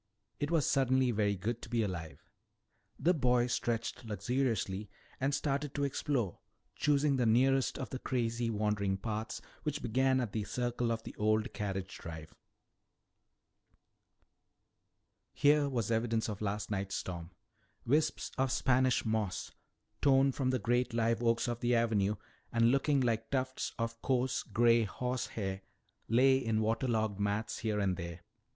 It was suddenly very good to be alive. The boy stretched luxuriously and started to explore, choosing the nearest of the crazy, wandering paths which began at the circle of the old carriage drive. Here was evidence of last night's storm. Wisps of Spanish moss, torn from the great live oaks of the avenue and looking like tufts of coarse gray horsehair, lay in water logged mats here and there.